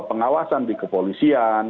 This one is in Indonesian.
pengawasan di kepolisian